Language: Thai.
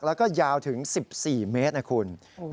แล้วก็ยาวถึง๑๔เมตรนะคุณ